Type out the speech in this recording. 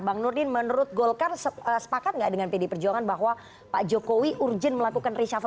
bang nurdin menurut golkar sepakat nggak dengan pd perjuangan bahwa pak jokowi urgent melakukan reshuffle